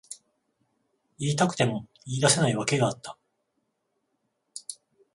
言いたくても言い出せない訳があった。